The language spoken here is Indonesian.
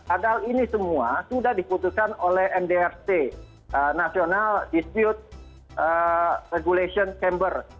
padahal ini semua sudah diputuskan oleh mdrt national dispute regulation chamber